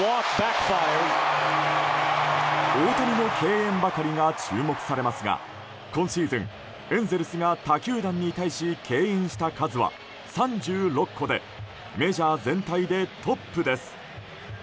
大谷の敬遠ばかりが注目されますが今シーズン、エンゼルスが他球団に対し敬遠した数は３６個でメジャー全体でトップです。